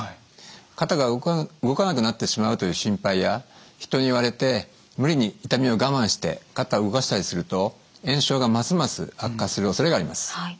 肩が動かなくなってしまうという心配や人に言われて無理に痛みを我慢して肩を動かしたりすると炎症がますます悪化するおそれがあります。